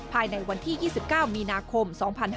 ภายในวันที่๒๙มีนาคม๒๕๕๙